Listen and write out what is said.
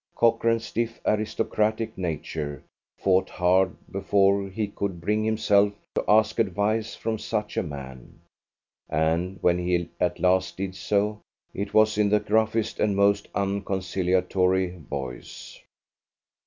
Cochrane's stiff, aristocratic nature fought hard before he could bring himself to ask advice from such a man, and when he at last did so, it was in the gruffest and most unconciliatory voice.